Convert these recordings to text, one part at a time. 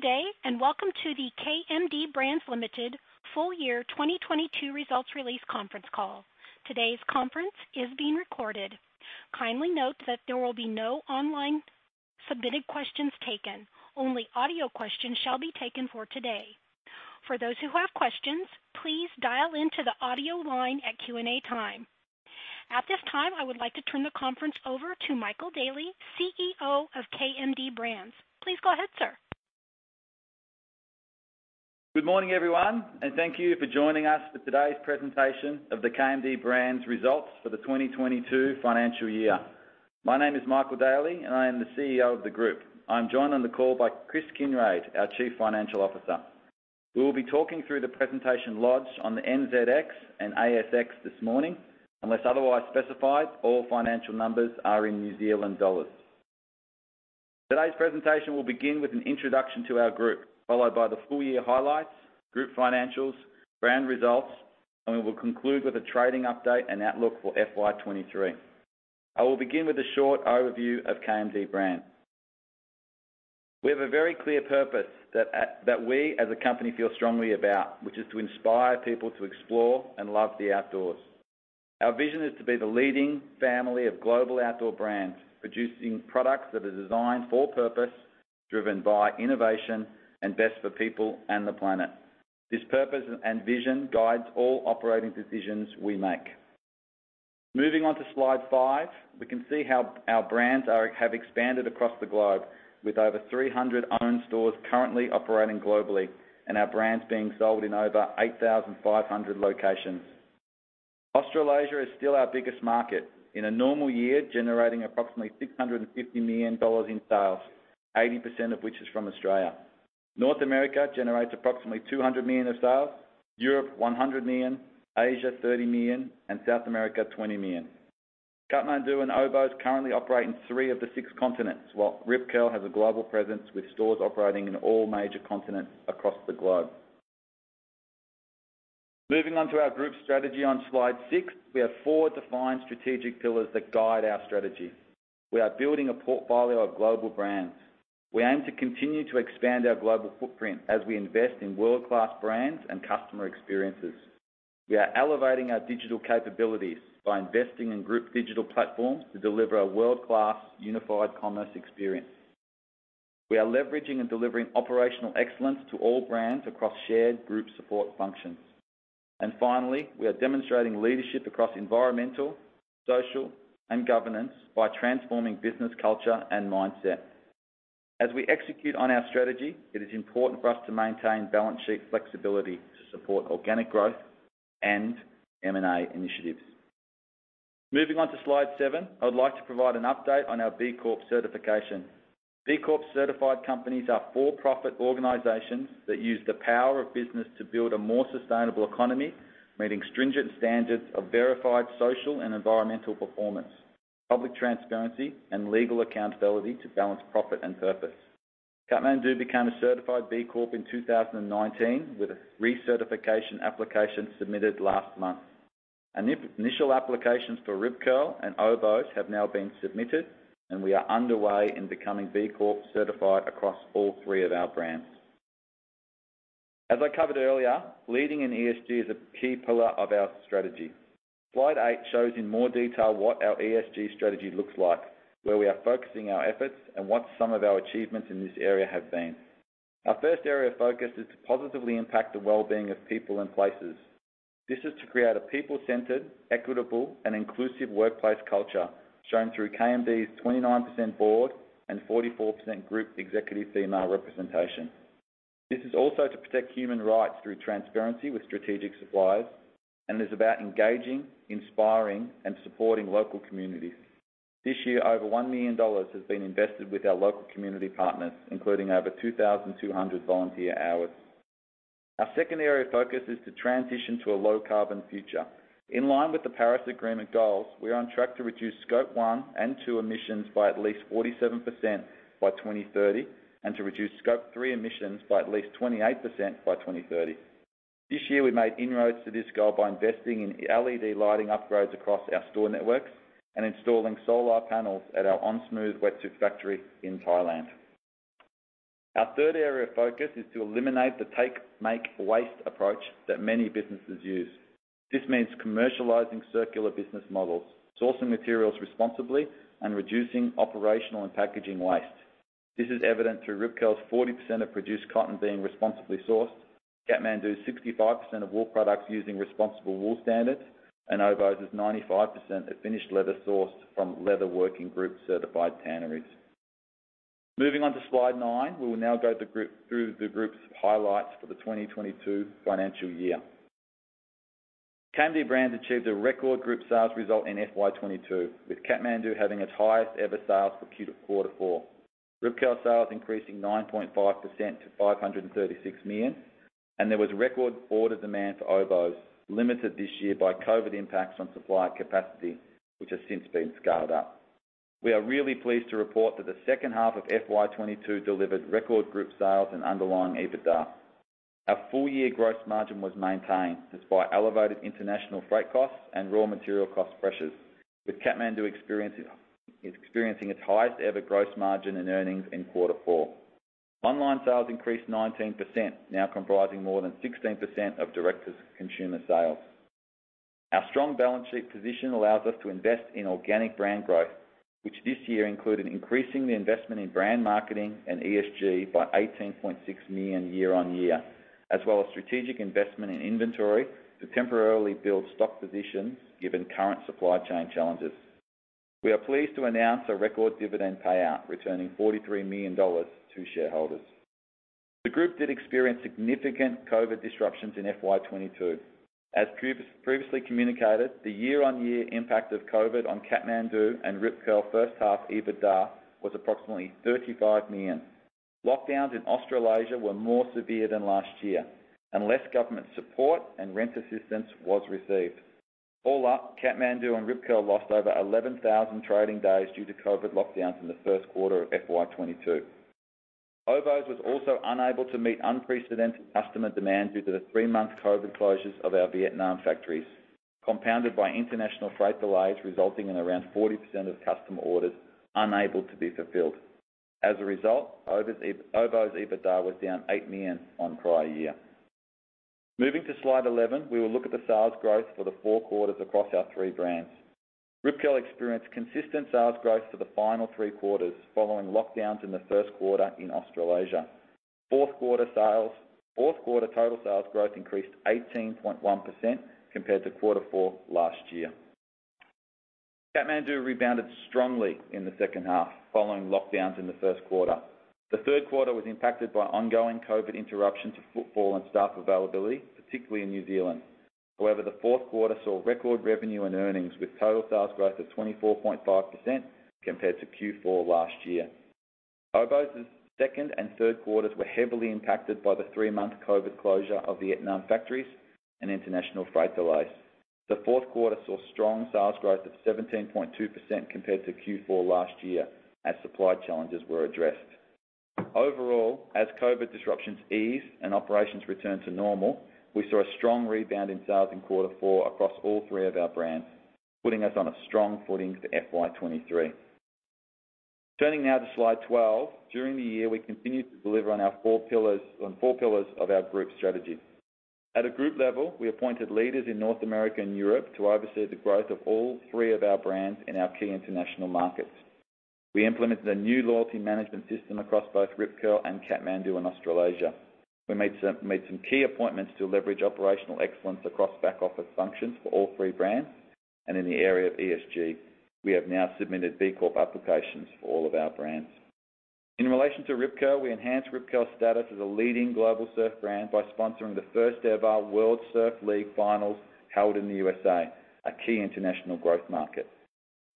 Good day, and welcome to the KMD Brands Limited Full Year 2022 Results Release Conference Call. Today's conference is being recorded. Kindly note that there will be no online submitted questions taken. Only audio questions shall be taken for today. For those who have questions, please dial into the audio line at Q&A time. At this time, I would like to turn the conference over to Michael Daly, CEO of KMD Brands. Please go ahead, sir. Good morning, everyone, and thank you for joining us for today's presentation of the KMD Brands results for the 2022 financial year. My name is Michael Daly, and I am the CEO of the group. I'm joined on the call by Chris Kinraid, our Chief Financial Officer. We will be talking through the presentation lodged on the NZX and ASX this morning. Unless otherwise specified, all financial numbers are in New Zealand dollars. Today's presentation will begin with an introduction to our group, followed by the full-year highlights, group financials, brand results, and we will conclude with a trading update and outlook for FY 2023. I will begin with a short overview of KMD Brands. We have a very clear purpose that we as a company feel strongly about, which is to inspire people to explore and love the outdoors. Our vision is to be the leading family of global outdoor brands, producing products that are designed for purpose, driven by innovation and best for people and the planet. This purpose and vision guides all operating decisions we make. Moving on to slide five, we can see how our brands have expanded across the globe with over 300 own stores currently operating globally and our brands being sold in over 8,500 locations. Australasia is still our biggest market. In a normal year, generating approximately 650 million dollars in sales, 80% of which is from Australia. North America generates approximately 200 million of sales, Europe 100 million, Asia 30 million, and South America 20 million. Kathmandu and Oboz currently operate in three of the six continents, while Rip Curl has a global presence with stores operating in all major continents across the globe. Moving on to our group strategy on slide six, we have four defined strategic pillars that guide our strategy. We are building a portfolio of global brands. We aim to continue to expand our global footprint as we invest in world-class brands and customer experiences. We are elevating our digital capabilities by investing in group digital platforms to deliver a world-class unified commerce experience. We are leveraging and delivering operational excellence to all brands across shared group support functions. Finally, we are demonstrating leadership across environmental, social, and governance by transforming business culture and mindset. As we execute on our strategy, it is important for us to maintain balance sheet flexibility to support organic growth and M&A initiatives. Moving on to slide seven, I would like to provide an update on our B Corp certification. B Corp certified companies are for-profit organizations that use the power of business to build a more sustainable economy, meeting stringent standards of verified social and environmental performance, public transparency and legal accountability to balance profit and purpose. Kathmandu became a certified B Corp in 2019, with a recertification application submitted last month. Initial applications for Rip Curl and Oboz have now been submitted, and we are underway in becoming B Corp certified across all three of our brands. As I covered earlier, leading in ESG is a key pillar of our strategy, slide eight shows in more detail what our ESG strategy looks like, where we are focusing our efforts, and what some of our achievements in this area have been. Our first area of focus is to positively impact the well-being of people and places. This is to create a people-centered, equitable, and inclusive workplace culture, shown through KMD's 29% board and 44% group executive female representation. This is also to protect human rights through transparency with strategic suppliers and is about engaging, inspiring, and supporting local communities. This year, over 1 million dollars has been invested with our local community partners, including over 2,200 volunteer hours. Our second area of focus is to transition to a low carbon future. In line with the Paris Agreement goals, we are on track to reduce Scope 1 and 2 emissions by at least 47% by 2030 and to reduce Scope 3 emissions by at least 28% by 2030. This year, we made inroads to this goal by investing in LED lighting upgrades across our store networks and installing solar panels at our Onsmooth wetsuits factory in Thailand. Our third area of focus is to eliminate the take, make, waste approach that many businesses use. This means commercializing circular business models, sourcing materials responsibly, and reducing operational and packaging waste. This is evident through Rip Curl's 40% of produced cotton being responsibly sourced, Kathmandu's 65% of wool products using responsible wool standards, and Oboz's 95% of finished leather sourced from Leather Working Group certified tanneries. Moving on to slide nine, we will now go through the group's highlights for the 2022 financial year. KMD Brands achieved a record group sales result in FY 2022, with Kathmandu having its highest ever sales for quarter four. Rip Curl sales increasing 9.5% to 536 million, and there was record order demand for Oboz, limited this year by COVID impacts on supply capacity, which has since been scaled up. We are really pleased to report that the second half of FY 2022 delivered record group sales and underlying EBITDA. Our full year gross margin was maintained despite elevated international freight costs and raw material cost pressures, with Kathmandu experiencing its highest ever gross margin and earnings in quarter four. Online sales increased 19%, now comprising more than 16% of direct consumer sales. Our strong balance sheet position allows us to invest in organic brand growth, which this year included increasing the investment in brand marketing and ESG by 18.6 million year-over-year, as well as strategic investment in inventory to temporarily build stock positions, given current supply chain challenges. We are pleased to announce a record dividend payout, returning 43 million dollars to shareholders. The group did experience significant COVID disruptions in FY 2022. As previously communicated, the year-over-year impact of COVID on Kathmandu and Rip Curl first half EBITDA was approximately 35 million. Lockdowns in Australasia were more severe than last year, and less government support and rent assistance was received. All up, Kathmandu and Rip Curl lost over 11,000 trading days due to COVID lockdowns in the first quarter of FY 2022. Oboz was also unable to meet unprecedented customer demand due to the three-month COVID closures of our Vietnam factories, compounded by international freight delays resulting in around 40% of customer orders unable to be fulfilled. As a result, Oboz EBITDA was down 8 million on prior year. Moving to slide 11, we will look at the sales growth for the four quarters across our three brands. Rip Curl experienced consistent sales growth for the final three quarters following lockdowns in the first quarter in Australasia. Fourth quarter total sales growth increased 18.1% compared to quarter fourt last year. Kathmandu rebounded strongly in the second half following lockdowns in the first quarter. The this quarter was impacted by ongoing COVID interruption to footfall and staff availability, particularly in New Zealand. However, the fourth quarter saw record revenue and earnings, with total sales growth of 24.5% compared to Q4 last year. Oboz's second and third quarters were heavily impacted by the three-month COVID closure of Vietnam factories and international freight delays. The fourth quarter saw strong sales growth of 17.2% compared to Q4 last year as supply challenges were addressed. Overall, as COVID disruptions ease and operations return to normal, we saw a strong rebound in sales in quarter four across all three of our brands, putting us on a strong footing for FY 2023. Turning now to slide 12. During the year, we continued to deliver on our four pillars of our group strategy. At a group level, we appointed leaders in North America and Europe to oversee the growth of all three of our brands in our key international markets. We implemented a new loyalty management system across both Rip Curl and Kathmandu in Australasia. We made some key appointments to leverage operational excellence across back office functions for all three brands. In the area of ESG, we have now submitted B Corp applications for all of our brands. In relation to Rip Curl, we enhanced Rip Curl's status as a leading global surf brand by sponsoring the first ever World Surf League finals held in the USA, a key international growth market.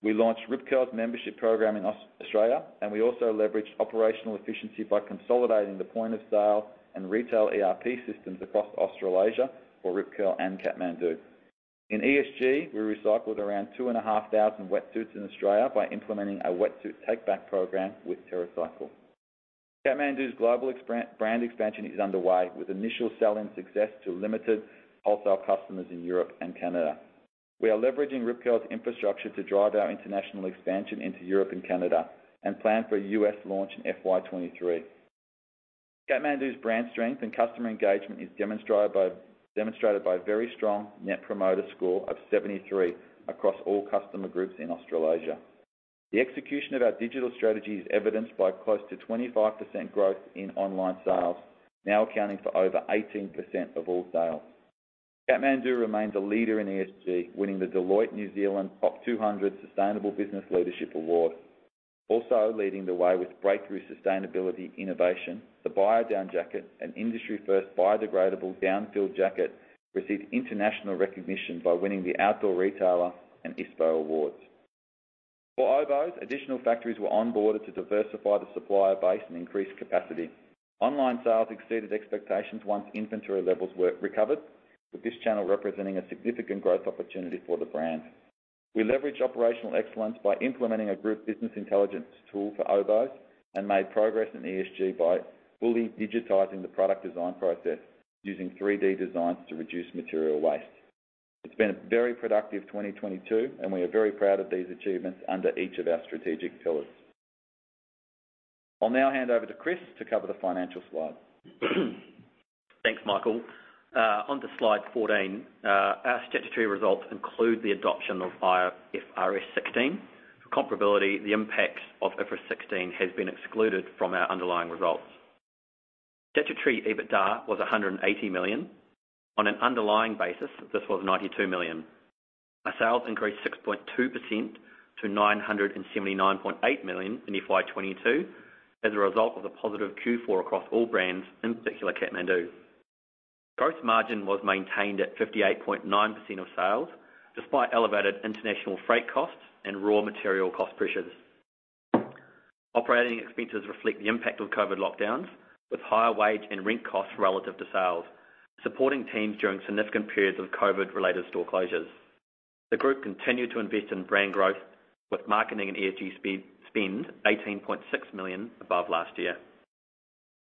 We launched Rip Curl's membership program in Australia, and we also leveraged operational efficiency by consolidating the point of sale and retail ERP systems across Australasia for Rip Curl and Kathmandu. In ESG, we recycled around 2,500 wetsuits in Australia by implementing a wetsuit take-back program with TerraCycle. Kathmandu's global brand expansion is underway, with initial sell-in success to limited wholesale customers in Europe and Canada. We are leveraging Rip Curl's infrastructure to drive our international expansion into Europe and Canada, and plan for a U.S. launch in FY 2023. Kathmandu's brand strength and customer engagement is demonstrated by a very strong Net Promoter Score of 73 across all customer groups in Australasia. The execution of our digital strategy is evidenced by close to 25% growth in online sales, now accounting for over 18% of all sales. Kathmandu remains a leader in ESG, winning the Deloitte New Zealand Top 200 Sustainable Business Leadership Award. Also leading the way with breakthrough sustainability innovation, the BioDown jacket, an industry-first biodegradable down-filled jacket, received international recognition by winning the Outdoor Retailer and ISPO awards. For Oboz, additional factories were onboarded to diversify the supplier base and increase capacity. Online sales exceeded expectations once inventory levels were recovered, with this channel representing a significant growth opportunity for the brand. We leveraged operational excellence by implementing a group business intelligence tool for Oboz and made progress in ESG by fully digitizing the product design process using 3D designs to reduce material waste. It's been a very productive 2022, and we are very proud of these achievements under each of our strategic pillars. I'll now hand over to Chris to cover the financial slides. Thanks, Michael. On to slide 14. Our statutory results include the adoption of IFRS 16. For comparability, the impact of IFRS 16 has been excluded from our underlying results. Statutory EBITDA was 180 million. On an underlying basis, this was 92 million. Our sales increased 6.2% to 979.8 million in FY 2022 as a result of the positive Q4 across all brands, in particular Kathmandu. Gross margin was maintained at 58.9% of sales, despite elevated international freight costs and raw material cost pressures. Operating expenses reflect the impact of COVID lockdowns, with higher wage and rent costs relative to sales, supporting teams during significant periods of COVID-related store closures. The group continued to invest in brand growth with marketing and ESG spend, 18.6 million above last year.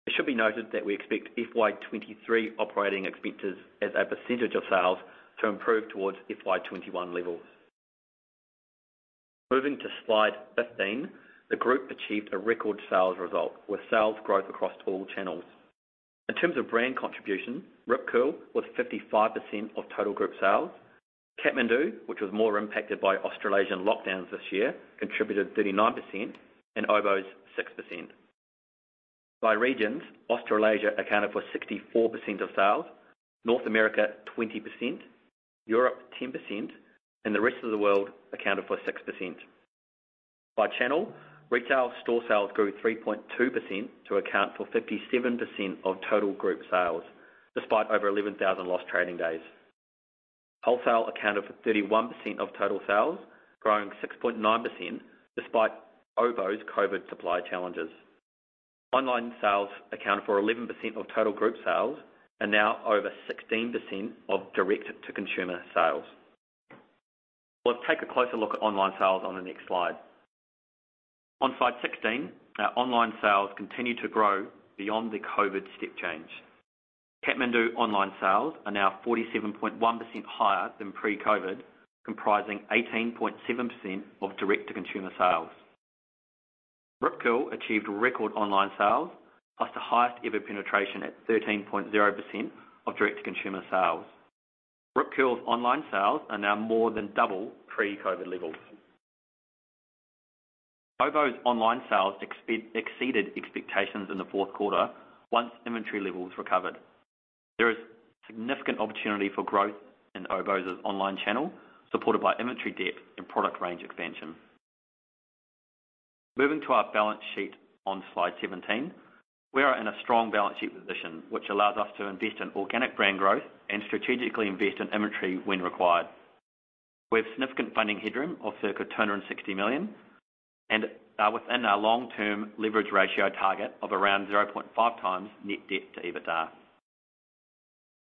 It should be noted that we expect FY 2023 operating expenses as a percentage of sales to improve towards FY 2021 levels. Moving to slide 15. The group achieved a record sales result with sales growth across all channels. In terms of brand contribution, Rip Curl was 55% of total group sales. Kathmandu, which was more impacted by Australasian lockdowns this year, contributed 39% and Oboz 6%. By regions, Australasia accounted for 64% of sales, North America 20%, Europe 10%, and the rest of the world accounted for 6%. By channel, retail store sales grew 3.2% to account for 57% of total group sales, despite over 11,000 lost trading days. Wholesale accounted for 31% of total sales, growing 6.9% despite Oboz COVID supply challenges. Online sales accounted for 11% of total group sales and now over 16% of direct-to-consumer sales. Let's take a closer look at online sales on the next slide. On slide 16, our online sales continue to grow beyond the COVID step change. Kathmandu online sales are now 47.1% higher than pre-COVID, comprising 18.7% of direct-to-consumer sales. Rip Curl achieved record online sales, plus the highest ever penetration at 13.0% of direct-to-consumer sales. Rip Curl's online sales are now more than double pre-COVID levels. Oboz's online sales exceeded expectations in Q4 once inventory levels recovered. There is significant opportunity for growth in Oboz's online channel, supported by inventory depth and product range expansion. Moving to our balance sheet on slide 17. We are in a strong balance sheet position, which allows us to invest in organic brand growth and strategically invest in inventory when required. We have significant funding headroom of circa 260 million and within our long-term leverage ratio target of around 0.5x net debt to EBITDA.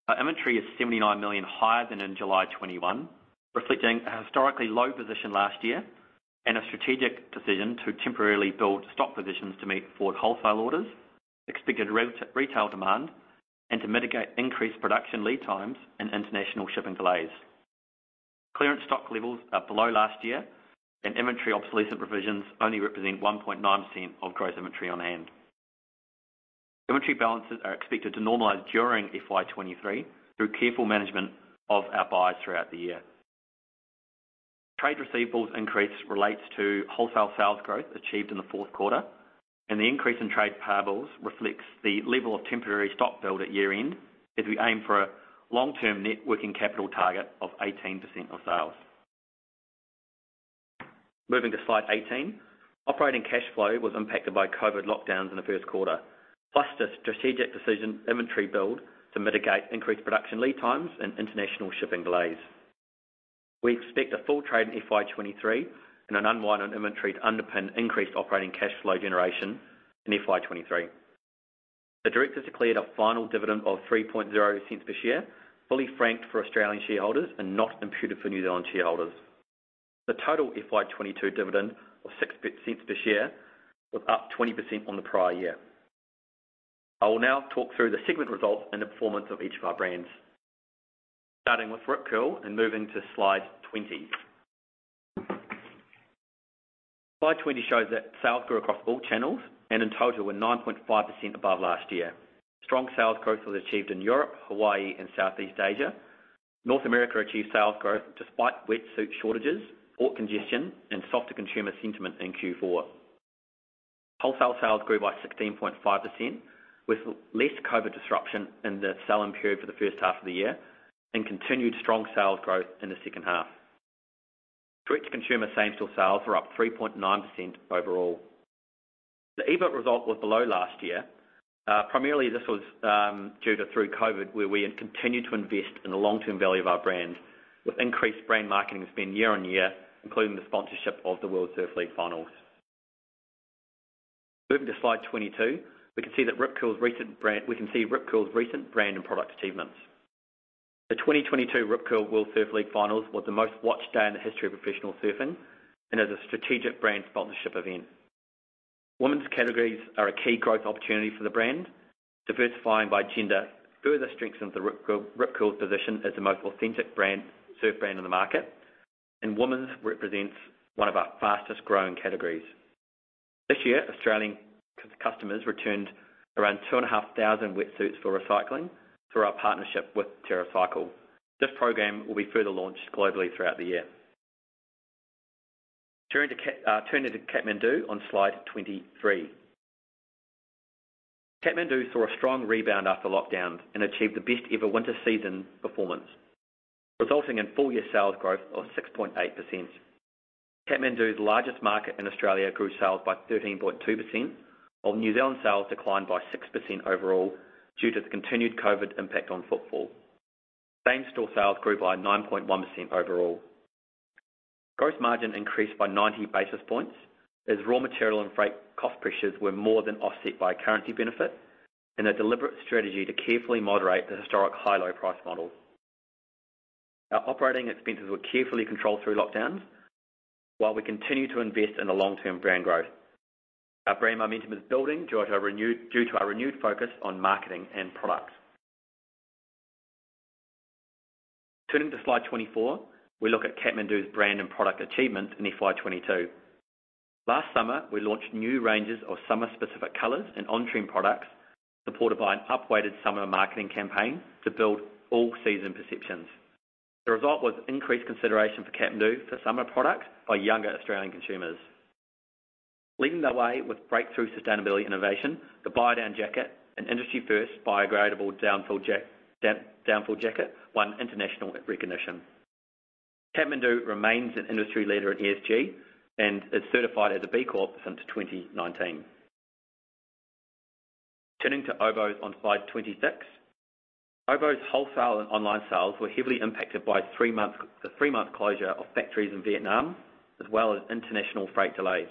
Our inventory is 79 million higher than in July 2021, reflecting a historically low position last year and a strategic decision to temporarily build stock positions to meet forward wholesale orders, expected retail demand, and to mitigate increased production lead times and international shipping delays. Clearance stock levels are below last year, and inventory obsolescence provisions only represent 1.9% of gross inventory on hand. Inventory balances are expected to normalize during FY 2023 through careful management of our buys throughout the year. Trade receivables increase relates to wholesale sales growth achieved in Q4, and the increase in trade payables reflects the level of temporary stock build at year-end as we aim for a long-term net working capital target of 18% of sales. Moving to slide 18. Operating cash flow was impacted by COVID lockdowns in the first quarter, plus the strategic decision inventory build to mitigate increased production lead times and international shipping delays. We expect a full trade in FY 2023 and an unwind on inventory to underpin increased operating cash flow generation in FY 2023. The directors declared a final dividend of 0.03 per share, fully franked for Australian shareholders and not imputed for New Zealand shareholders. The total FY 2022 dividend of 0.068 per share was up 20% on the prior year. I will now talk through the segment results and the performance of each of our brands. Starting with Rip Curl and moving to slide 20. Slide 20 shows that sales grew across all channels and in total were 9.5% above last year. Strong sales growth was achieved in Europe, Hawaii, and Southeast Asia. North America achieved sales growth despite wetsuit shortages, port congestion, and softer consumer sentiment in Q4. Wholesale sales grew by 16.5%, with less COVID disruption in the selling period for the first half of the year and continued strong sales growth in the second half. Direct-to-consumer same-store sales were up 3.9% overall. The EBIT result was below last year. Primarily, this was during COVID, where we had continued to invest in the long-term value of our brand with increased brand marketing spend year-on-year, including the sponsorship of the World Surf League finals. Moving to slide 22, we can see Rip Curl's recent brand and product achievements. The 2022 Rip Curl World Surf League finals was the most-watched day in the history of professional surfing and as a strategic brand sponsorship event. Women's categories are a key growth opportunity for the brand. Diversifying by gender further strengthens Rip Curl's position as the most authentic surf brand in the market, and women's represents one of our fastest-growing categories. This year, Australian customers returned around 2,500 wetsuits for recycling through our partnership with TerraCycle. This program will be further launched globally throughout the year. Turning to Kathmandu on slide 23. Kathmandu saw a strong rebound after lockdown and achieved the best-ever winter season performance, resulting in full-year sales growth of 6.8%. Kathmandu's largest market in Australia grew sales by 13.2%, while New Zealand sales declined by 6% overall due to the continued COVID impact on footfall. Same-store sales grew by 9.1% overall. Gross margin increased by 90 basis points as raw material and freight cost pressures were more than offset by currency benefits and a deliberate strategy to carefully moderate the historic high-low price models. Our operating expenses were carefully controlled through lockdowns while we continued to invest in the long-term brand growth. Our brand momentum is building due to our renewed focus on marketing and products. Turning to slide 24, we look at Kathmandu's brand and product achievements in FY 2022. Last summer, we launched new ranges of summer-specific colors and on-trend products, supported by an up-weighted summer marketing campaign to build all-season perceptions. The result was increased consideration for Kathmandu for summer products by younger Australian consumers. Leading the way with breakthrough sustainability innovation, the BioDown jacket, an industry-first biodegradable down-filled jacket, won international recognition. Kathmandu remains an industry leader in ESG and is certified as a B Corp since 2019. Turning to Oboz on slide 26. Oboz wholesale and online sales were heavily impacted by three-month closure of factories in Vietnam, as well as international freight delays.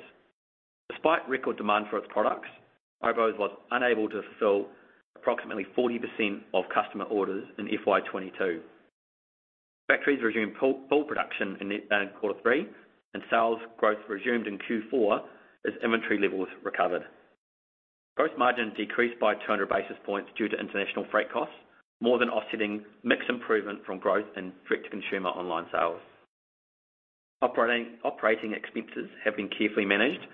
Despite record demand for its products, Oboz was unable to fulfill approximately 40% of customer orders in FY 2022. Factories resumed full production in quarter three, and sales growth resumed in Q4 as inventory levels recovered. Gross margin decreased by 200 basis points due to international freight costs, more than offsetting mix improvement from growth in direct-to-consumer online sales. Operating expenses have been carefully managed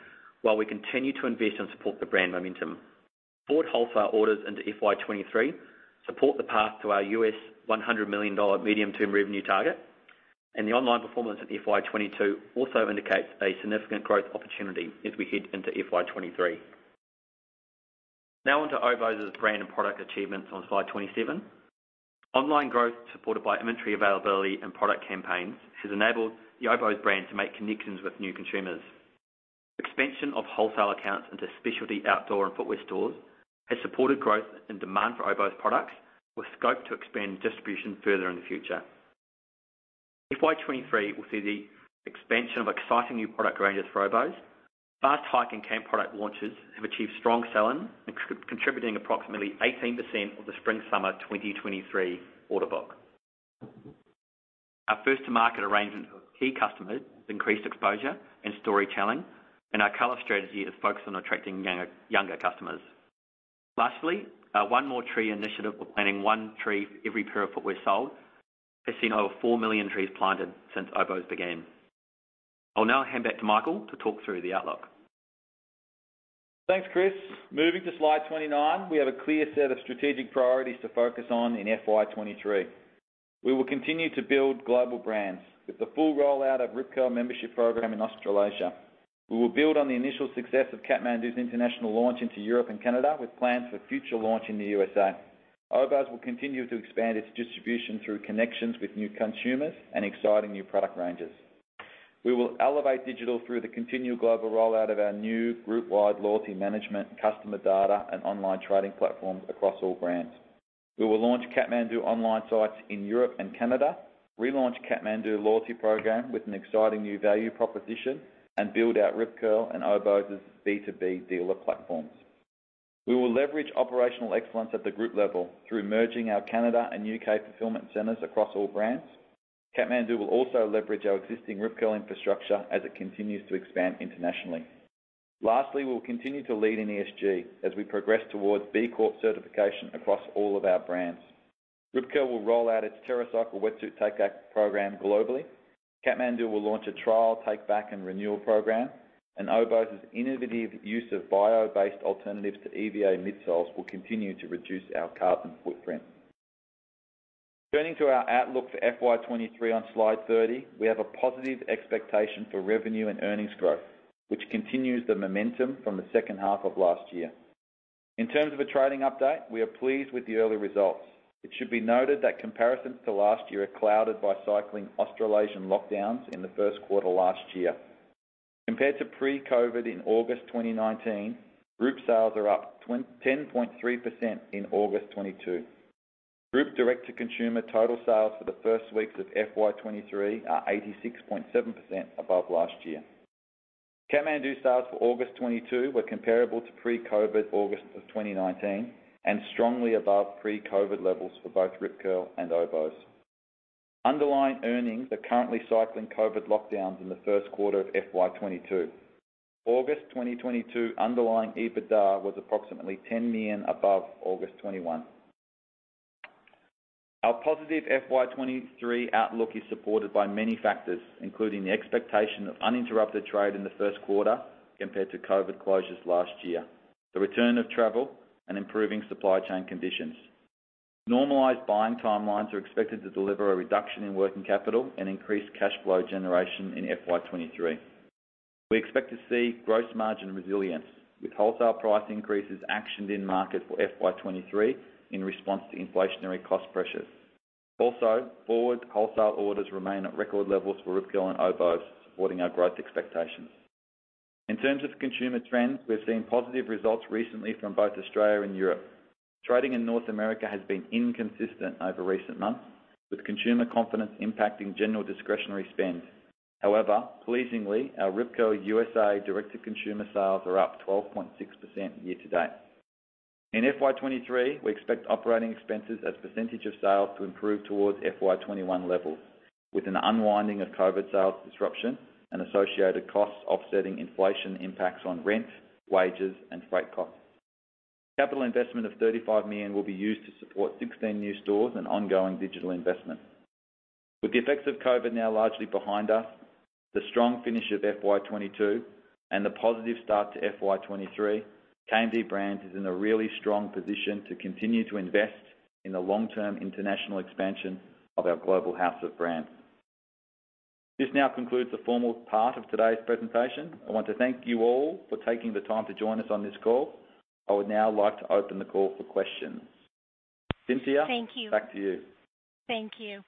while we continue to invest and support the brand momentum. Board wholesale orders into FY 2023 support the path to our $100 million medium-term revenue target, and the online performance of FY 2022 also indicates a significant growth opportunity as we head into FY 2023. Now on to Oboz's brand and product achievements on slide 27. Online growth supported by inventory availability and product campaigns has enabled the Oboz brand to make connections with new consumers. Expansion of wholesale accounts into specialty outdoor and footwear stores has supported growth and demand for Oboz products, with scope to expand distribution further in the future. FY 2023 will see the expansion of exciting new product ranges for Oboz. Fast Hike and Camp product launches have achieved strong sell-in, contributing approximately 18% of the spring/summer 2023 order book. Our first to market arrangement of key customers has increased exposure and storytelling, and our color strategy is focused on attracting younger customers. Lastly, our One More Tree initiative, we're planting one tree for every pair of footwear sold, has seen over four million trees planted since Oboz began. I'll now hand back to Michael to talk through the outlook. Thanks, Chris. Moving to slide 29. We have a clear set of strategic priorities to focus on in FY 2023. We will continue to build global brands with the full rollout of Rip Curl Membership program in Australasia. We will build on the initial success of Kathmandu's international launch into Europe and Canada with plans for future launch in the USA. Oboz will continue to expand its distribution through connections with new consumers and exciting new product ranges. We will elevate digital through the continued global rollout of our new group-wide loyalty management, customer data, and online trading platforms across all brands. We will launch Kathmandu online sites in Europe and Canada, relaunch Kathmandu loyalty program with an exciting new value proposition, and build out Rip Curl and Oboz's B2B dealer platforms. We will leverage operational excellence at the group level through merging our Canada and U.K. fulfillment centers across all brands. Kathmandu will also leverage our existing Rip Curl infrastructure as it continues to expand internationally. Lastly, we'll continue to lead in ESG as we progress towards B Corp certification across all of our brands. Rip Curl will roll out its TerraCycle wetsuit take-back program globally. Kathmandu will launch a trial takeback and renewal program, and Oboz's innovative use of bio-based alternatives to EVA midsoles will continue to reduce our carbon footprint. Turning to our outlook for FY 2023 on slide 30, we have a positive expectation for revenue and earnings growth, which continues the momentum from the second half of last year. In terms of a trading update, we are pleased with the early results. It should be noted that comparisons to last year are clouded by cycling Australasian lockdowns in the first quarter last year. Compared to pre-COVID in August 2019, group sales are up 10.3% in August 2022. Group direct-to-consumer total sales for the first weeks of FY 2023 are 86.7% above last year. Kathmandu sales for August 2022 were comparable to pre-COVID August of 2019 and strongly above pre-COVID levels for both Rip Curl and Oboz. Underlying earnings are currently cycling COVID lockdowns in Q1 of FY 2022. August 2022 underlying EBITDA was approximately 10 million above August 2021. Our positive FY 2023 outlook is supported by many factors, including the expectation of uninterrupted trade in the first quarter compared to COVID closures last year, the return of travel, and improving supply chain conditions. Normalized buying timelines are expected to deliver a reduction in working capital and increased cash flow generation in FY 2023. We expect to see gross margin resilience with wholesale price increases actioned in market for FY 2023 in response to inflationary cost pressures. Also, forward wholesale orders remain at record levels for Rip Curl and Oboz, supporting our growth expectations. In terms of consumer trends, we've seen positive results recently from both Australia and Europe. Trading in North America has been inconsistent over recent months, with consumer confidence impacting general discretionary spend. However, pleasingly, our Rip Curl USA direct-to-consumer sales are up 12.6% year-to-date. In FY 2023, we expect operating expenses as a percentage of sales to improve towards FY 2021 levels, with an unwinding of COVID sales disruption and associated costs offsetting inflation impacts on rent, wages, and freight costs. Capital investment of 35 million will be used to support 16 new stores and ongoing digital investment. With the effects of COVID now largely behind us, the strong finish of FY 2022 and the positive start to FY 2023, KMD Brands is in a really strong position to continue to invest in the long-term international expansion of our global house of brands. This now concludes the formal part of today's presentation. I want to thank you all for taking the time to join us on this call. I would now like to open the call for questions. Cynthia, back to you. Thank you.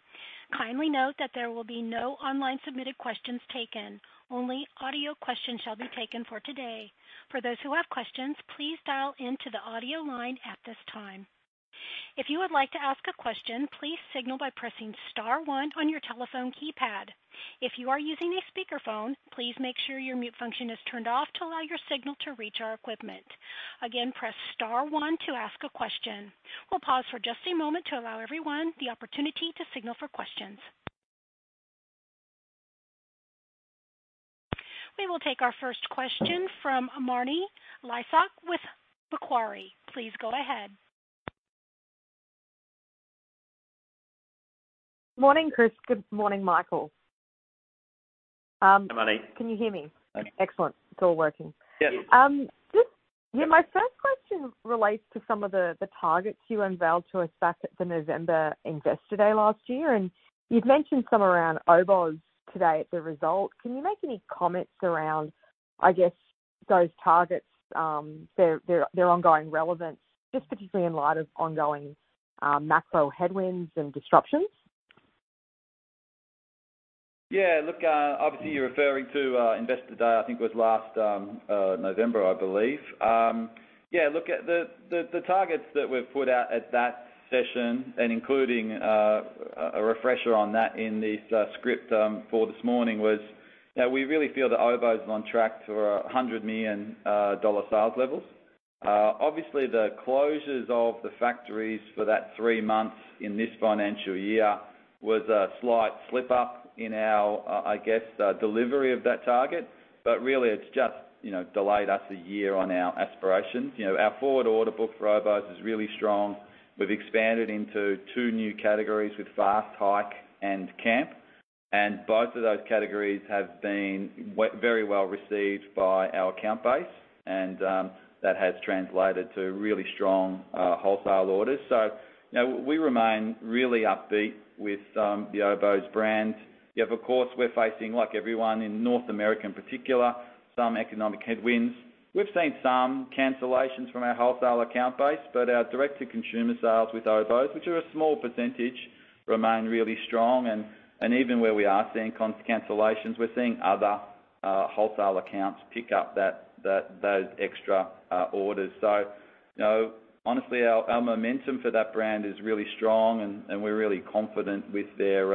Kindly note that there will be no online submitted questions taken. Only audio questions shall be taken for today. For those who have questions, please dial into the audio line at this time. If you would like to ask a question, please signal by pressing star one on your telephone keypad. If you are using a speakerphone, please make sure your mute function is turned off to allow your signal to reach our equipment. Again, press star one to ask a question. We'll pause for just a moment to allow everyone the opportunity to signal for questions. We will take our first question from Marni Lysaght with Macquarie. Please go ahead. Morning, Chris. Good morning, Michael. Hi, Marni. Can you hear me? Yes. Excellent. It's all working. Yes. Just, Yes, my first question relates to some of the targets you unveiled to us back at the November Investor Day last year. You've mentioned some around Oboz today at the results. Can you make any comments around those targets, their ongoing relevance, just particularly in light of ongoing macro headwinds and disruptions? Yes. Look, obviously you're referring to Investor Day, I think it was last November, I believe. Look, the targets that we've put out at that session and including a refresher on that in the script for this morning was that we really feel that Oboz is on track to 100 million dollar sales levels. Obviously the closures of the factories for that three months in this financial year was a slight slip up in our, I guess, delivery of that target. Really it's just, delayed us a year on our aspirations. our forward order book for Oboz is really strong. We've expanded into two new categories with Fast Hike and Camp, and both of those categories have been very well received by our account base, and that has translated to really strong wholesale orders. We remain really upbeat with the Oboz brand. Yes, of course we're facing, like everyone in North America in particular, some economic headwinds. We've seen some cancellations from our wholesale account base, but our direct-to-consumer sales with Oboz, which are a small percentage, remain really strong. Even where we are seeing cancellations, we're seeing other wholesale accounts pick up those extra orders. Honestly, our momentum for that brand is really strong and we're really confident with their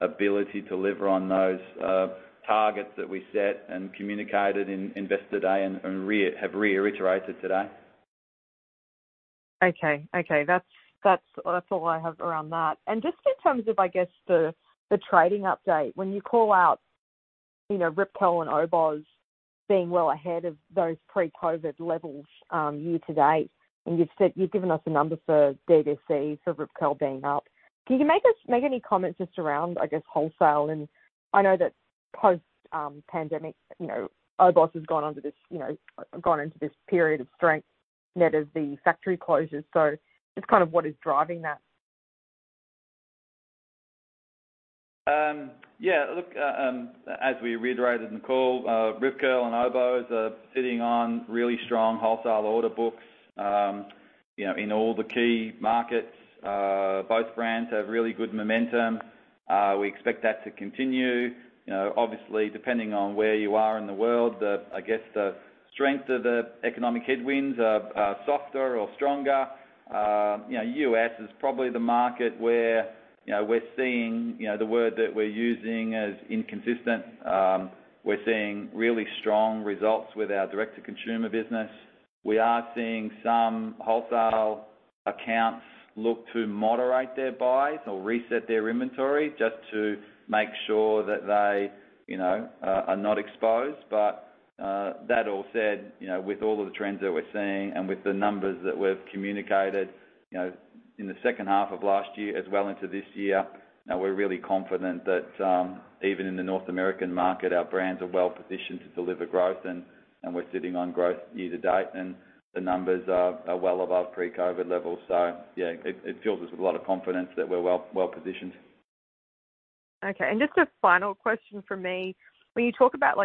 ability to deliver on those targets that we set and communicated in Investor Day and have reiterated today. Okay. That's all I have around that. Just in terms of the trading update, when you call out Rip Curl and Oboz being well ahead of those pre-COVID levels year-to-date, and you've given us a number for D2C for Rip Curl being up, can you make any comments just around wholesale? I know that post pandemic, Oboz has gone on to this, gone into this period of strength net of the factory closures. What is driving that? Look, as we reiterated in the call, Rip Curl and Oboz are sitting on really strong wholesale order books. in all the key markets, both brands have really good momentum. We expect that to continue. obviously, depending on where you are in the world. I guess the strength of the economic headwinds are softer or stronger. U.S. is probably the market where we're seeing the word that we're using as inconsistent. We're seeing really strong results with our direct-to-consumer business. We are seeing some wholesale accounts look to moderate their buys or reset their inventory just to make sure that they are not exposed. That all said, with all of the trends that we're seeing and with the numbers that we've communicated, in the second half of last year as well into this year, we're really confident that, even in the North American market, our brands are well-positioned to deliver growth and we're sitting on growth year-to-date and the numbers are well above pre-COVID levels. It fills us with a lot of confidence that we're well-positioned. Okay. Just a final question from me. When you talk about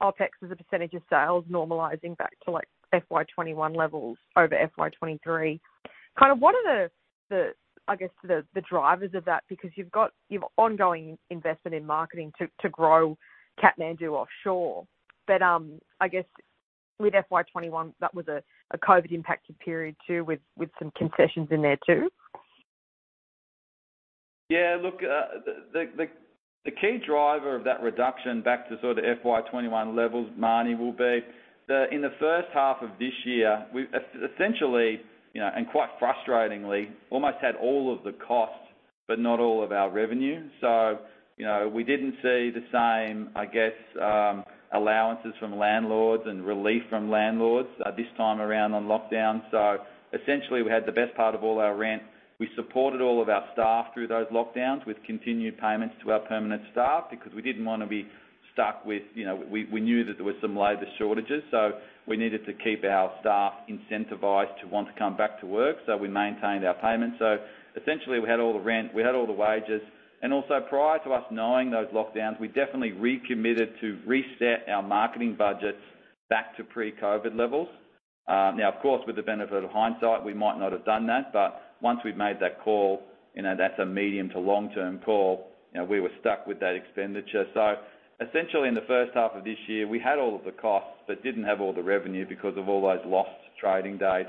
OpEx as a percentage of sales normalizing back to FY 2021 levels over FY 2023. What are the drivers of that because you've ongoing investment in marketing to grow Kathmandu offshore? With FY 2021, that was a COVID impacted period too, with some concessions in there too? Yes. Look, the key driver of that reduction back to sort of FY 2021 levels, Marni, will be in the first half of this year. We've essentially, and quite frustratingly, almost had all of the costs but not all of our revenue. We didn't see the same, I guess, allowances from landlords and relief from landlords, this time around on lockdown. Essentially, we had the best part of all our rent. We supported all of our staff through those lockdowns with continued payments to our permanent staff because we didn't want to be stuck with, you know, we knew that there was some labor shortages, so we needed to keep our staff incentivized to want to come back to work, so we maintained our payments. Essentially, we had all the rent, we had all the wages. Also, prior to us knowing those lockdowns, we definitely recommitted to reset our marketing budgets back to pre-COVID levels. Now, of course, with the benefit of hindsight, we might not have done that. Once we've made that call, that's a medium to long-term call. we were stuck with that expenditure. Essentially, in the first half of this year, we had all of the costs but didn't have all the revenue because of all those lost trading days.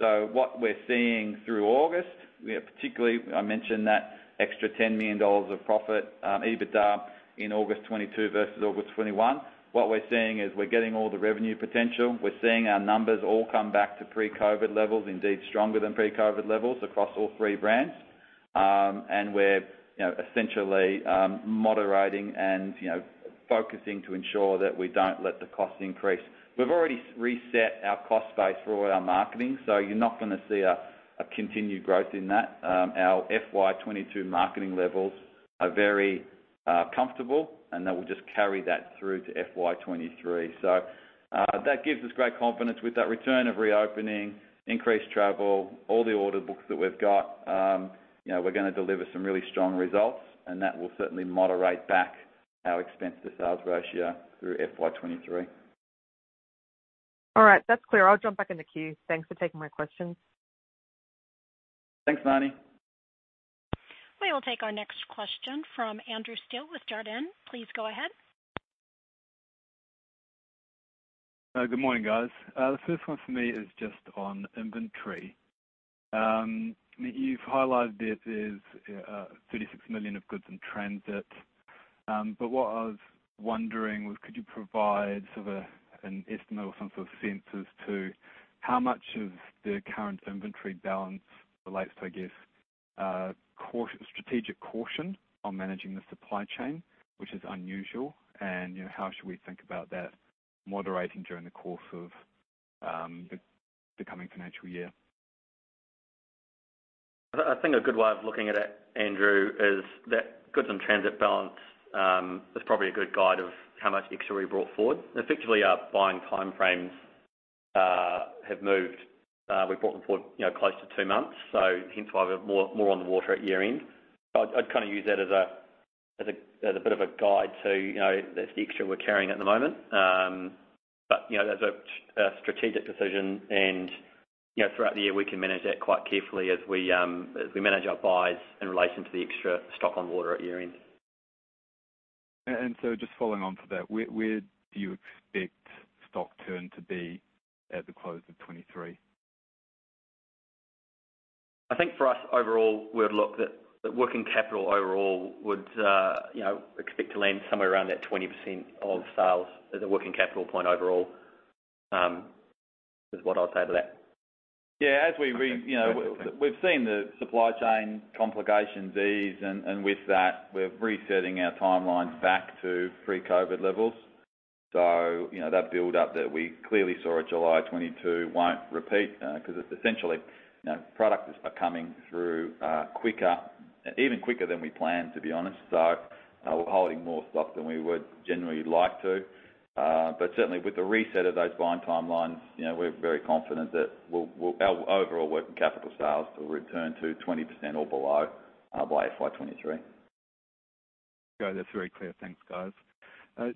What we're seeing through August, we have particularly, I mentioned that extra 10 million dollars of profit, EBITDA in August 2022 versus August 2021. What we're seeing is we're getting all the revenue potential. We're seeing our numbers all come back to pre-COVID levels, indeed stronger than pre-COVID levels across all three brands. We're essentially moderating and focusing to ensure that we don't let the cost increase. We've already reset our cost base for all our marketing, so you're not going to see a continued growth in that. Our FY 2022 marketing levels are very comfortable, and that will just carry that through to FY 2023. That gives us great confidence with that return of reopening, increased travel, all the order books that we've got, we're going to deliver some really strong results, and that will certainly moderate back our expense to sales ratio through FY 2023. All right. That's clear. I'll jump back in the queue. Thanks for taking my questions. Thanks, Marni. We will take our next question from Andrew Steele with Jarden. Please go ahead. Good morning, guys. The first one for me is just on inventory. You've highlighted it as 36 million of goods in transit. But what I was wondering was could you provide an estimate or some sort of sense to how much of the current inventory balance relates to strategic caution on managing the supply chain, which is unusual? How should we think about that moderating during the course of the coming financial year? I think a good way of looking at it, Andrew, is that goods in transit balance is probably a good guide of how much extra we brought forward. Effectively, our buying time frames have moved. We've brought them forward, close to two months, so hence why we're more on the water at year-end. I'd use that as a bit of a guide to the extra we're carrying at the moment. But that's a strategic decision and, throughout the year, we can manage that quite carefully as we manage our buys in relation to the extra stock on water at year-end. Just following on to that, where do you expect stock churn to be at the close of 2023? I think for us overall, we'd look at working capital overall would expect to land somewhere around that 20% of sales as a working capital point overall, is what I'll say to that. We've seen the supply chain complications ease and with that, we're resetting our timelines back to pre-COVID levels. That build up that we clearly saw at July 2022 won't repeat, because it's essentially, products are coming through quicker, even quicker than we planned, to be honest. We're holding more stock than we would generally like to. Certainly, with the reset of those buying timelines, we're very confident that our overall working capital sales will return to 20% or below by FY 2023. Okay. That's very clear. Thanks, guys.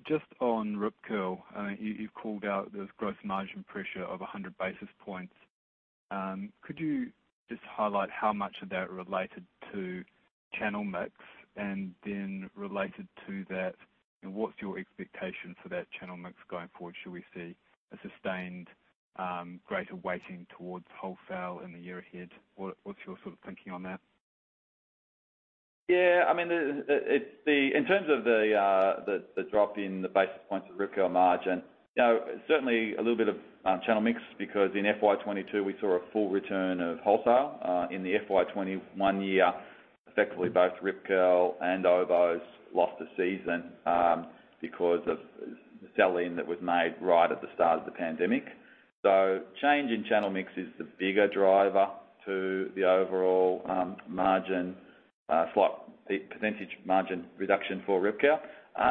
Just on Rip Curl. You've called out there's gross margin pressure of 100 basis points. Could you just highlight how much of that related to channel mix? Related to that, what's your expectation for that channel mix going forward? Should we see a sustained greater weighting towards wholesale in the year ahead? What's your thinking on that? Yes. In terms of the drop in the basis points of Rip Curl margin, certainly a little bit of channel mix because in FY 2022, we saw a full return of wholesale. In the FY 2021 year, effectively, both Rip Curl and Oboz lost the season because of the sell-in that was made right at the start of the pandemic. Change in channel mix is the bigger driver to the overall margin the percentage margin reduction for Rip Curl.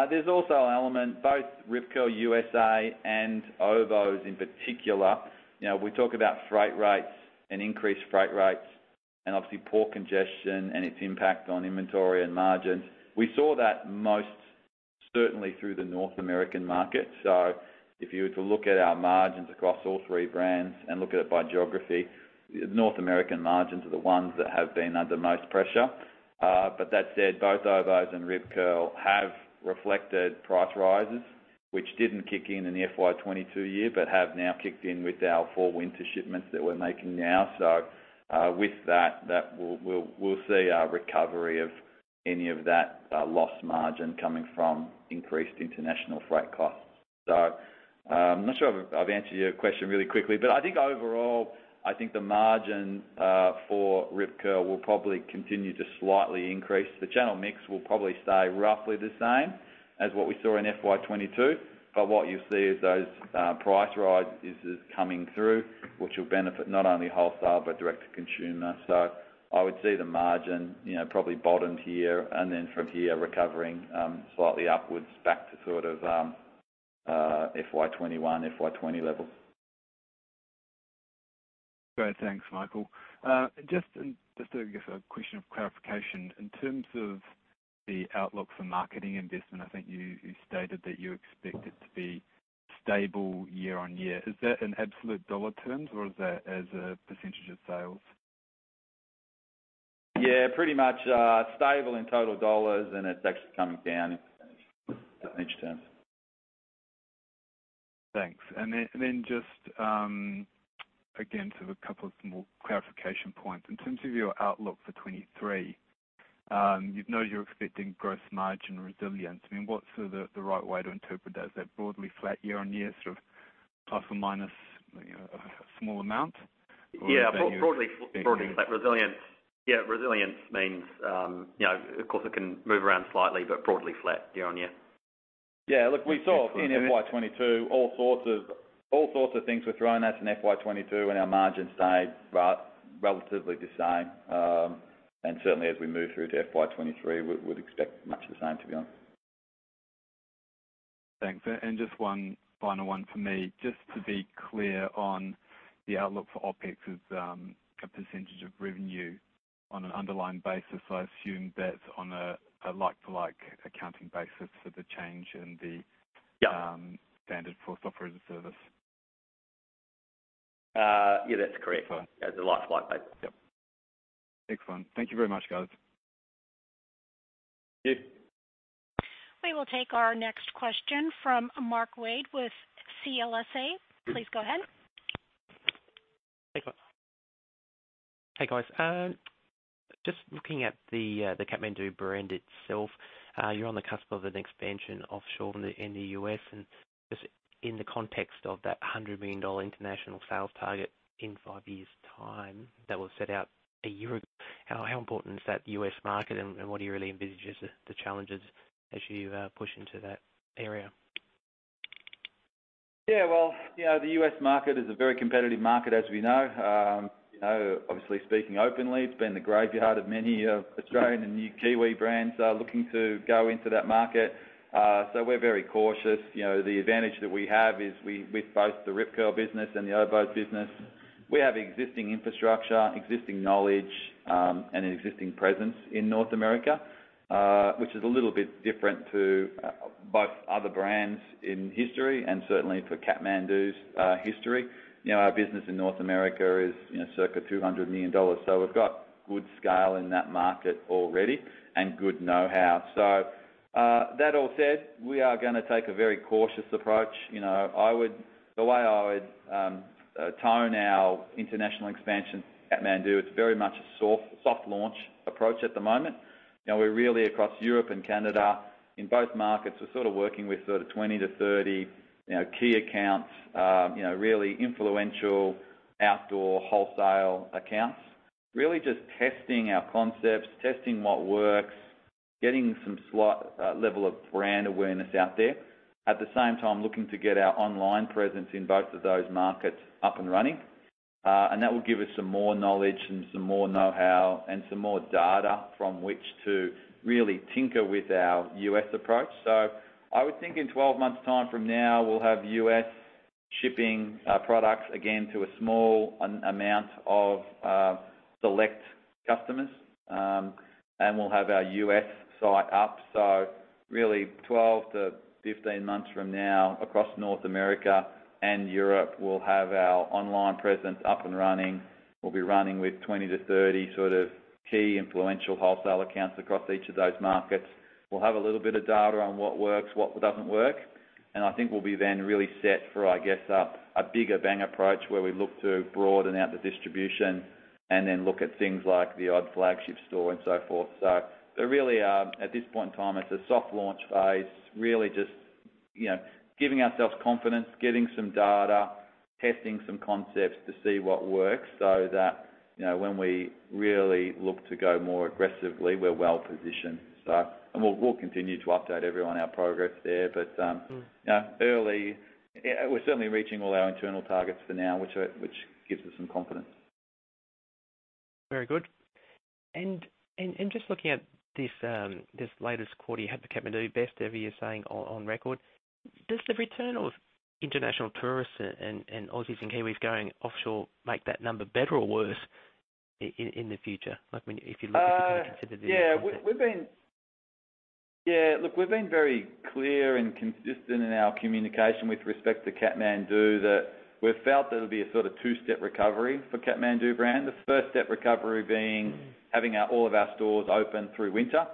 There's also an element, both Rip Curl USA and Oboz in particular, we talk about freight rates and increased freight rates and obviously port congestion and its impact on inventory and margins. We saw that most certainly through the North American market. If you were to look at our margins across all three brands and look at it by geography, North American margins are the ones that have been under most pressure. But that said, both Oboz and Rip Curl have reflected price rises, which didn't kick in the FY 2022 year, but have now kicked in with our fall/winter shipments that we're making now. With that, we'll see a recovery of any of that lost margin coming from increased international freight costs. I'm not sure if I've answered your question really quickly, but I think overall, I think the margin for Rip Curl will probably continue to slightly increase. The channel mix will probably stay roughly the same as what we saw in FY 2022. What you see is those price rises coming through, which will benefit not only wholesale, but direct-to-consumer. I would see the margin, probably bottomed here and then from here, recovering slightly upwards back to FY 2021, FY 2020 levels. Great. Thanks, Michael. Just a question of clarification. In terms of the outlook for marketing investment, I think you stated that you expect it to be stable year-on-year. Is that in absolute dollar terms or is that as a percentage of sales? Yes. Pretty much stable in total dollars, and it's actually coming down in percentage terms. Thanks. Then, again, a couple of small clarification points. In terms of your outlook for 2023, you've noted you're expecting gross margin resilience. What's the right way to interpret that? Is that broadly flat year-on-year, sort of plus or minus, a small amount or would you say you're expecting? Yes, broadly flat. Resilience means, of course it can move around slightly, but broadly flat year-on-year. Look, we saw in FY 2022 all sorts of things were thrown at us in FY 2022, and our margins stayed relatively the same. Certainly, as we move through to FY 2023, we'd expect much the same, to be honest. Thanks. Just one final one for me. Just to be clear on the outlook for OpEx as a percentage of revenue on an underlying basis, I assume that's on a like-for-like accounting basis for the change in the standard full-stop revenue service. Yes, that's correct. Cool. On a like-for-like basis. Excellent. Thank you very much, guys. Thank you. We will take our next question from Mark Wade with CLSA. Please go ahead. Thanks. Hey, guys. Just looking at the Kathmandu brand itself, you're on the cusp of an expansion offshore in the U.S., and just in the context of that 100 million dollar international sales target in five years' time that was set out a year ago, how important is that U.S. market and what do you really envisage as the challenges as you push into that area? Yes, well, the U.S. market is a very competitive market, as we know. Obviously, speaking openly, it's been the graveyard of many Australian and Kiwi brands looking to go into that market. We're very cautious. the advantage that we have is, with both the Rip Curl business and the Oboz business, we have existing infrastructure, existing knowledge, and an existing presence in North America, which is a little bit different to both other brands in history and certainly for Kathmandu's history. Our business in North America is, circa 200 million dollars. We've got good scale in that market already and good know-how. That all said, we are going to take a very cautious approach. The way I would tone our international expansion for Kathmandu, it's very much a soft launch approach at the moment. We're really across Europe and Canada. In both markets, we're working with 20–30 key accounts, really influential outdoor wholesale accounts. Really just testing our concepts, testing what works, getting some slight level of brand awareness out there. At the same time, looking to get our online presence in both of those markets up and running. That will give us some more knowledge and some more know-how and some more data from which to really tinker with our U.S. approach. I would think in 12 months' time from now, we'll have U.S. shipping products again to a small amount of select customers. We'll have our U.S. site up. Really, 12–15 months from now, across North America and Europe, we'll have our online presence up and running. We'll be running with 20–30 key influential wholesale accounts across each of those markets. We'll have a little bit of data on what works, what doesn't work, and I think we'll be then really set for a bigger bang approach where we look to broaden out the distribution and then look at things like the odd flagship store and so forth. There really, at this point in time, it's a soft launch phase, really just, giving ourselves confidence, getting some data, testing some concepts to see what works so that, when we really look to go more aggressively, we're well-positioned. We'll continue to update everyone our progress there early. Yes, we're certainly reaching all our internal targets for now, which gives us some confidence. Very good. Just looking at this latest quarter, you had the Kathmandu best ever, you're saying, on record. Does the return of international tourists and Aussies and Kiwis going offshore make that number better or worse? In the future, if you look at. [inaudible] Look, we've been very clear and consistent in our communication with respect to Kathmandu, that we've felt there'll be a two-step recovery for Kathmandu brand. The first step recovery being having all of our stores open through winter.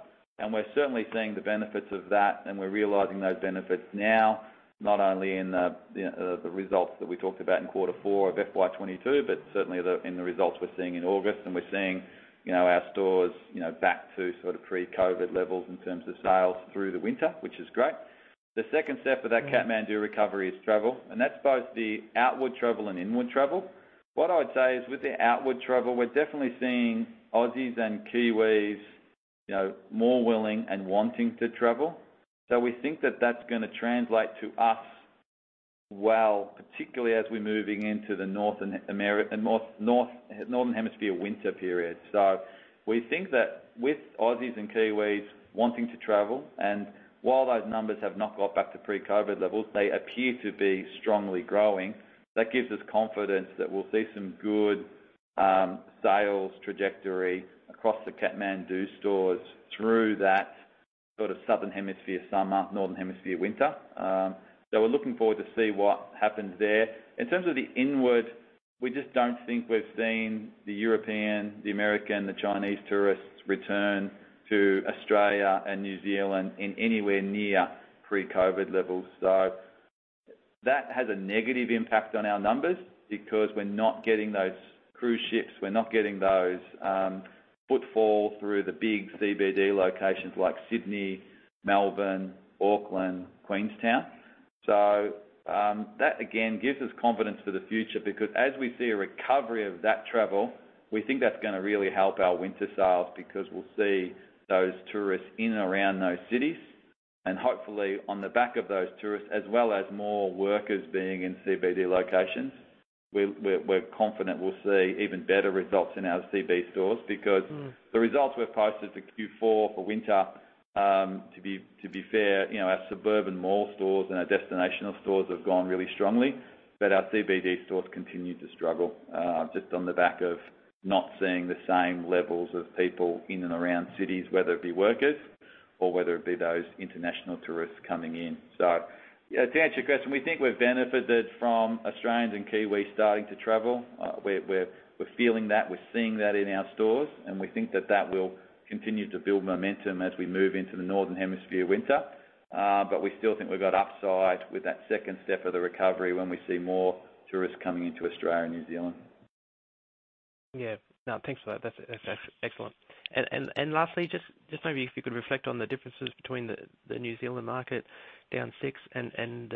We're certainly seeing the benefits of that, and we're realizing those benefits now, not only in the results that we talked about in quarter four of FY 2022, but certainly in the results we're seeing in August. We're seeing, our stores, back to pre-COVID levels in terms of sales through the winter, which is great. The second step for that Kathmandu recovery is travel, and that's both the outward travel and inward travel. What I'd say is, with the outward travel, we're definitely seeing Aussies and Kiwis, more willing and wanting to travel. We think that that's going to translate to us, well, particularly as we're moving into the Northern Hemisphere winter period. We think that with Aussies and Kiwis wanting to travel, and while those numbers have not got back to pre-COVID levels, they appear to be strongly growing. That gives us confidence that we'll see some good sales trajectory across the Kathmandu stores through that sort of Southern Hemisphere summer, Northern Hemisphere winter. We're looking forward to see what happens there. In terms of the inward, we just don't think we've seen the European, the American, the Chinese tourists return to Australia and New Zealand in anywhere near pre-COVID levels. That has a negative impact on our numbers because we're not getting those cruise ships, we're not getting those footfall through the big CBD locations like Sydney, Melbourne, Auckland, and Queenstown. That again gives us confidence for the future because as we see a recovery of that travel, we think that's going to really help our winter sales because we'll see those tourists in and around those cities, and hopefully on the back of those tourists, as well as more workers being in CBD locations. We're confident we'll see even better results in our CBD stores because. The results we've posted for Q4 for winter, to be fair, our suburban mall stores and our destination stores have gone really strongly, but our CBD stores continue to struggle, just on the back of not seeing the same levels of people in and around cities, whether it be workers or whether it be those international tourists coming in. To answer your question, we think we've benefited from Australians and Kiwis starting to travel. We're feeling that, we're seeing that in our stores, and we think that will continue to build momentum as we move into the Northern Hemisphere winter. We still think we've got upside with that second step of the recovery when we see more tourists coming into Australia and New Zealand Yes. No, thanks for that. That's excellent. Lastly, just maybe if you could reflect on the differences between the New Zealand market down 6% and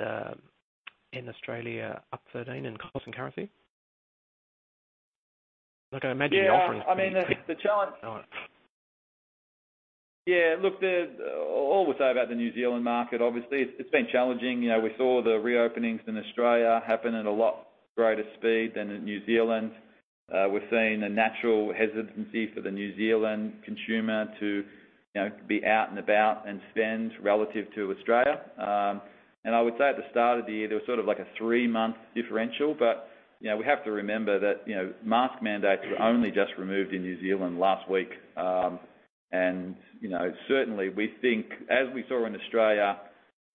in Australia up 13% in constant currency. I imagine the offering is? Yes, look, all we'll say about the New Zealand market, obviously it's been challenging. We saw the reopenings in Australia happen at a lot greater speed than in New Zealand. We're seeing a natural hesitancy for the New Zealand consumer to, be out and about and spend relative to Australia. I would say at the start of the year, there was a three-month differential. we have to remember that, mask mandates were only just removed in New Zealand last week. Certainly, we think, as we saw in Australia,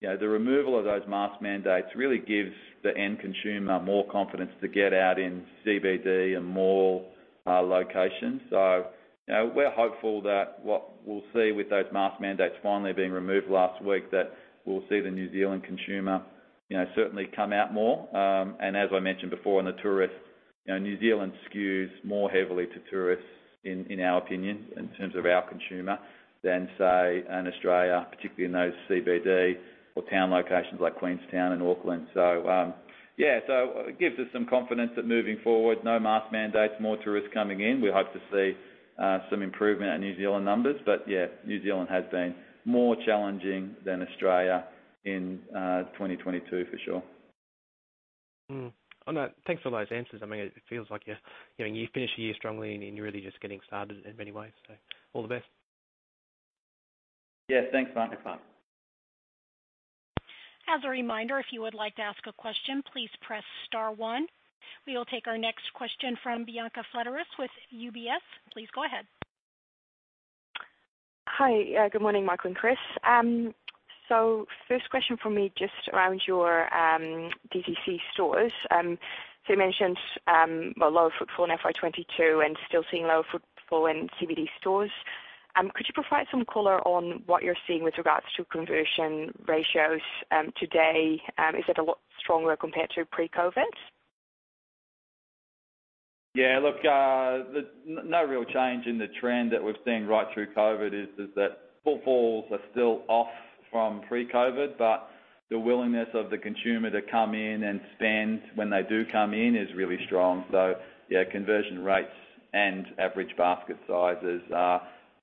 the removal of those mask mandates really gives the end consumer more confidence to get out in CBD and more locations. We're hopeful that what we'll see with those mask mandates finally being removed last week, that we'll see the New Zealand consumer, certainly, come out more. As I mentioned before on the tourists, New Zealand skews more heavily to tourists in our opinion, in terms of our consumer than, say, in Australia, particularly in those CBD or town locations like Queenstown and Auckland. It gives us some confidence that moving forward, no mask mandates, more tourists coming in, we hope to see some improvement in New Zealand numbers. New Zealand has been more challenging than Australia in 2022 for sure. I know. Thanks for those answers. It feels like you finish the year strongly and you're really just getting started in many ways, so all the best. Yes. Thanks, Mark. As a reminder, if you would like to ask a question, please press star one. We will take our next question from Bianca Fledderus with UBS. Please go ahead. Hi. Good morning, Michael and Chris. First question from me, just around your CBD stores. You mentioned, well, low footfall in FY 2022 and still seeing low footfall in CBD stores. Could you provide some color on what you're seeing with regards to conversion ratios today? Is it a lot stronger compared to pre-COVID? No real change in the trend that we've seen right through COVID is that footfalls are still off from pre-COVID, but the willingness of the consumer to come in and spend when they do come in is really strong. Conversion rates and average basket sizes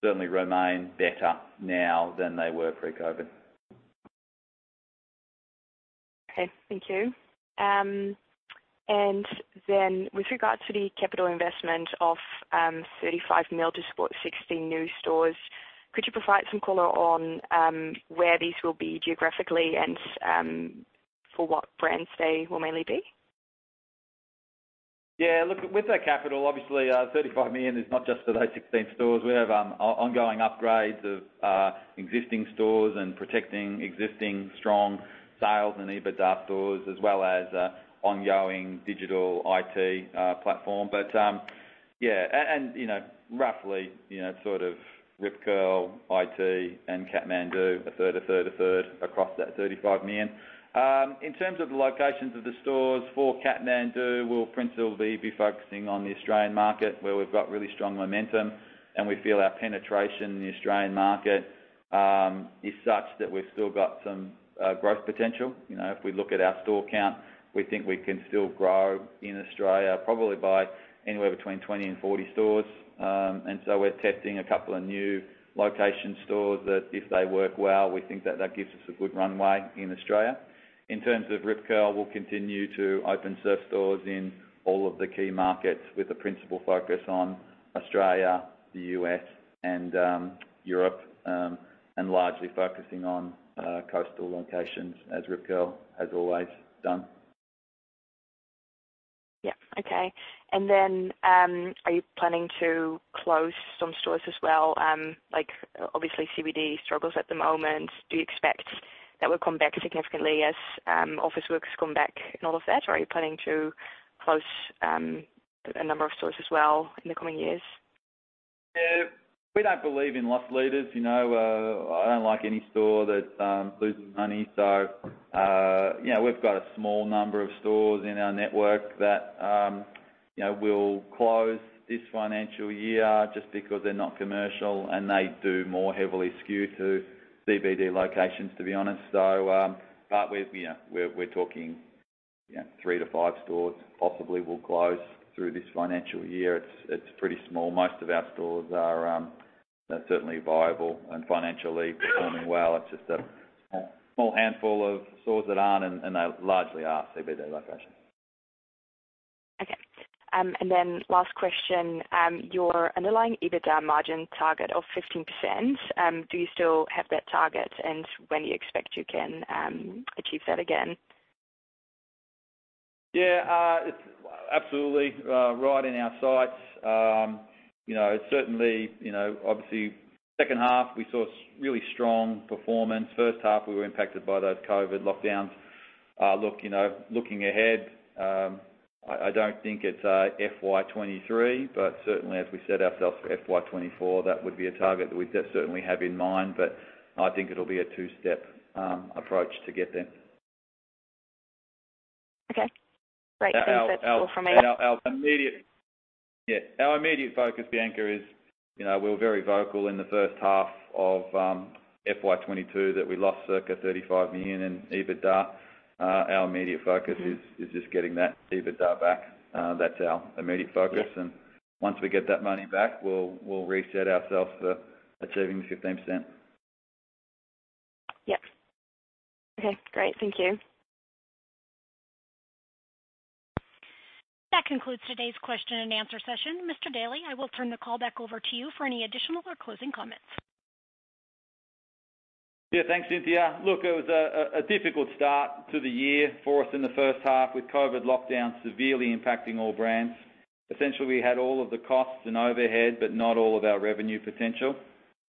certainly remain better now than they were pre-COVID. Okay. Thank you. With regards to the capital investment of 35 million to support 16 new stores, could you provide some color on where these will be geographically and for what brands they will mainly be? Look, with that capital, obviously, 35 million is not just for those 16 stores. We have ongoing upgrades of existing stores and protecting existing strong sales and EBITDA stores, as well as ongoing digital IT platform. Yes, and, roughly, sort of Rip Curl, IT, and Kathmandu, 1/3, 1/3, 1/3 across that 35 million. In terms of the locations of the stores, for Kathmandu, we'll principally be focusing on the Australian market where we've got really strong momentum and we feel our penetration in the Australian market is such that we've still got some growth potential. If we look at our store count, we think we can still grow in Australia probably by anywhere between 20 and 40 stores. We're testing a couple of new location stores that if they work well, we think that gives us a good runway in Australia. In terms of Rip Curl, we'll continue to open surf stores in all of the key markets with a principal focus on Australia, the U.S., and Europe, and largely focusing on coastal locations as Rip Curl has always done. Are you planning to close some stores as well? Obviously, CBD struggles at the moment. Do you expect that will come back significantly as office workers come back and all of that, or are you planning to close a number of stores as well in the coming years? Yes. We don't believe in loss leaders. I don't like any store that loses money. We’ve got a small number of stores in our network that we'll close this financial year just because they're not commercial, and they do more heavily skew to CBD locations, to be honest. We're talking three to five stores possibly will close through this financial year. It's pretty small. Most of our stores are, they’re certainly viable and financially performing well. It's just a small handful of stores that aren't, and they largely are CBD locations. Okay. Last question. Your underlying EBITDA margin target of 15%, do you still have that target? When do you expect you can achieve that again? Yes. It's absolutely right in our sights. certainly, obviously, second half we saw really strong performance. First half, we were impacted by those COVID lockdowns. Look, looking ahead, I don't think it's FY 2023, but, certainly, as we set ourselves for FY 2024, that would be a target that we certainly have in mind, but I think it'll be a two-step approach to get there. Okay, great. Thanks. That's all for me. Our immediate focus, Bianca, is, we were very vocal in the first half of FY 2022 that we lost circa 35 million in EBITDA. Our immediate focus is just getting that EBITDA back. That's our immediate focus. Once we get that money back, we'll reset ourselves for achieving the 15%. Yep. Okay, great. Thank you. That concludes today's question and answer session. Mr. Daly, I will turn the call back over to you for any additional or closing comments. Yes, thanks, Cynthia. Look, it was a difficult start to the year for us in the first half with COVID lockdown severely impacting all brands. Essentially, we had all of the costs and overhead, but not all of our revenue potential.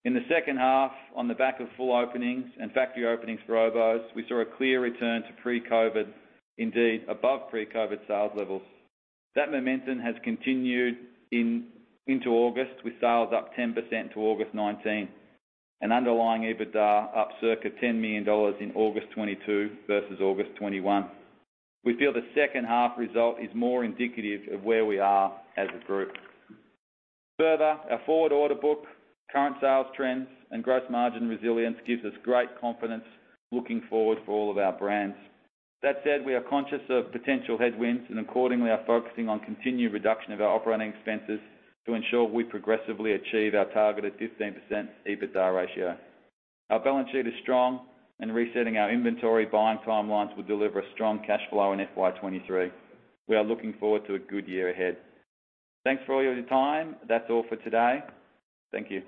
In the second half, on the back of full openings and factory openings for Oboz, we saw a clear return to pre-COVID, indeed above pre-COVID sales levels. That momentum has continued into August with sales up 10% to August 2019 and underlying EBITDA up circa 10 million dollars in August 2022 versus August 2021. We feel the second half result is more indicative of where we are as a group. Further, our forward order book, current sales trends and gross margin resilience gives us great confidence looking forward for all of our brands. That said, we are conscious of potential headwinds and accordingly are focusing on continued reduction of our operating expenses to ensure we progressively achieve our target of 15% EBITDA ratio. Our balance sheet is strong, and resetting our inventory buying timelines will deliver a strong cash flow in FY 2023. We are looking forward to a good year ahead. Thanks for all your time. That's all for today. Thank you.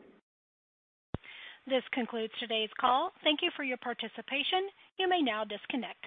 This concludes today's call. Thank you for your participation. You may now disconnect.